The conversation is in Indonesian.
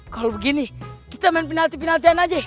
kalau begini kita main penalti penaltian aja